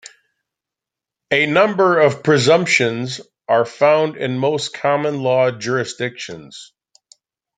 A number of presumptions are found in most common law jurisdictions.